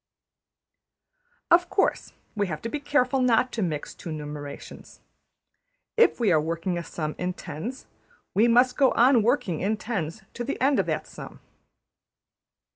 Of course, we have to be careful not to mix two numerations. If we are working a sum in tens, we must go on working in tens to the end of that sum.